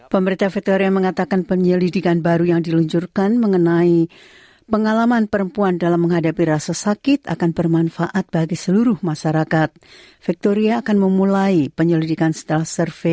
pemerintah victoria mengatakan penyelidikan baru yang diluncurkan mengenai pengalaman perempuan dalam menghadapi ekstrasi dan pengolahan sumber daya alam memicu tingginya emisi australia